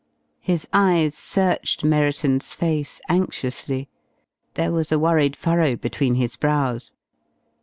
His eyes searched Merriton's face anxiously. There was a worried furrow between his brows.